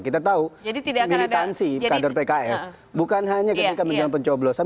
kita tahu militansi kader pks bukan hanya ketika misalnya pencoblosan